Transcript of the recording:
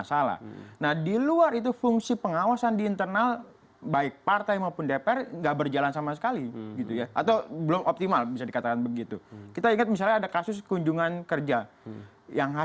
kalau mana kalah dia mencari peguam ya silakan saja